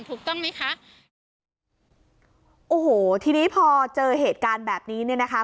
ถูกต้องไหมคะโอ้โหทีนี้พอเจอเหตุการณ์แบบนี้เนี่ยนะคะ